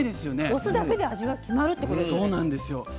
お酢だけで味が決まるってことですよね？